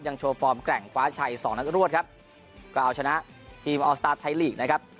โชว์ฟอร์มแกร่งคว้าชัยสองนัดรวดครับก็เอาชนะทีมออสตาร์ทไทยลีกนะครับ